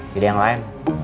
gede yang lain